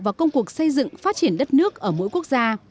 vào công cuộc xây dựng phát triển đất nước ở mỗi quốc gia